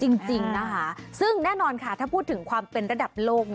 จริงนะคะซึ่งแน่นอนค่ะถ้าพูดถึงความเป็นระดับโลก